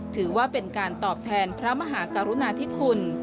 ถือว่าเป็นการตอบแทนพระมหากรุณาธิคุณ